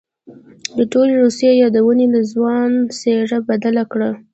د ټولې روسيې يادونې د ځوان څېره بدله کړه.